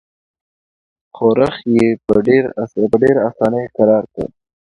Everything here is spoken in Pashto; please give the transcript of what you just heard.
ښورښ یې په ډېره اساني کرار کړ.